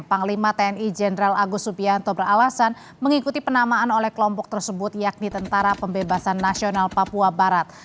panglima tni jenderal agus subianto beralasan mengikuti penamaan oleh kelompok tersebut yakni tentara pembebasan nasional papua barat